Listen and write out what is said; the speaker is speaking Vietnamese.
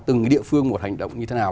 từng địa phương một hành động như thế nào